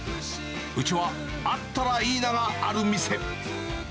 うちはあったらいいながある店。